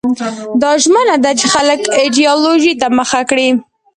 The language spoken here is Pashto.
دا ژمنه ده چې خلک ایدیالوژۍ ته مخه کړي.